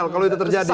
kalau itu terjadi